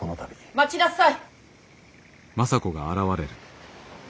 ・待ちなさい。